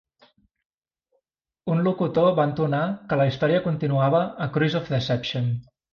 Un locutor va entonar que la història continuava a 'Cruise of Deception'.